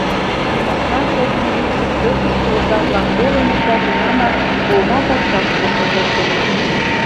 Тимошкан шортмо йӱкшым пӧртыштӧ оза-влак колыныт да тунамак олма пакчаш куржын лектыныт.